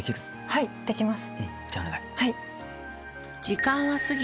はいできます